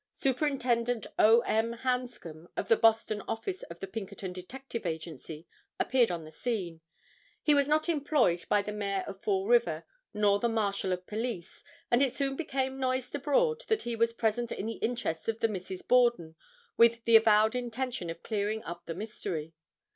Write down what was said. Superintendent O. M. Hanscom of the Boston office of the Pinkerton Detective Agency appeared on the scene. He was not employed by the Mayor of Fall River nor the Marshal of Police and it soon became noised abroad that he was present in the interests of the Misses Borden with the avowed intention of clearing up the mystery.